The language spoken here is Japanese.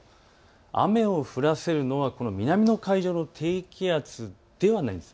雨を降らせるのはこの南の海上の低気圧ではないんです。